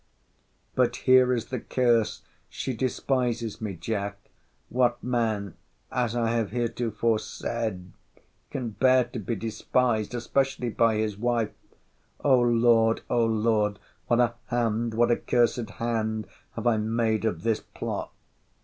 But here is the curse—she despises me, Jack!—What man, as I have heretofore said, can bear to be despised—especially by his wife!—O Lord!—O Lord! What a hand, what a cursed hand, have I made of this plot!